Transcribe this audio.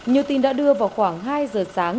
nhiều tin đã đưa vào khoảng hai giờ sáng